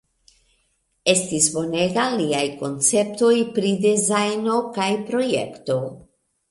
Estis bonega liaj konceptoj pri dezajno kaj projekto.